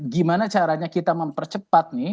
gimana caranya kita mempercepat nih